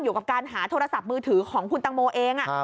อยู่กับการหาโทรศัพท์มือถือของคุณตังโมเอง